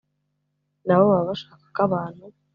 na bo baba bashaka ko abantu